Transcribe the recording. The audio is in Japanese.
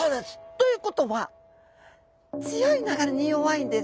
ということは強い流れに弱いんです。